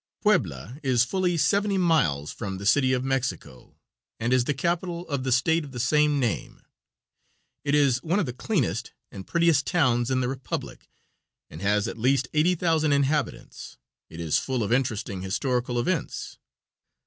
Puebla is fully seventy miles from the City of Mexico and is the capital of the state of the same name. It is one of the cleanest and prettiest towns in the Republic, and has at the least 80,000 inhabitants. It is full of interesting historical events.